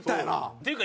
っていうか